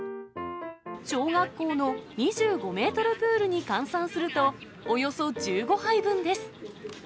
小学校の２５メートルプールに換算すると、およそ１５杯分です。